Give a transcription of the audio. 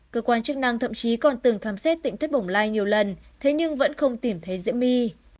cơ quan chức năng thậm chí còn từng khám xét tỉnh thất bồng lai nhiều lần thế nhưng vẫn không tìm thấy diễm my